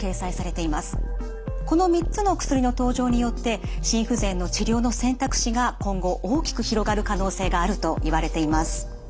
この３つの薬の登場によって心不全の治療の選択肢が今後大きく広がる可能性があるといわれています。